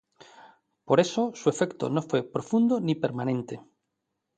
Por eso, su efecto no fue profundo ni permanente.